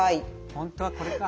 本当はこれか。